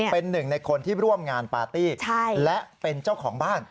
เป็นหนึ่งในคนที่ร่วมงานปาร์ตี้และเป็นเจ้าของบ้าน